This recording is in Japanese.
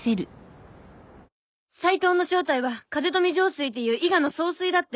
「斉藤の正体は風富城水っていう伊賀の総帥だって」